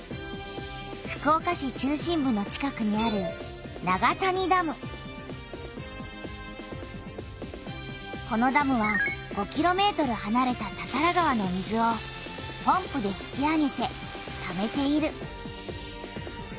福岡市中心部の近くにあるこのダムは５キロメートルはなれた多々良川の水をポンプで引き上げてためている。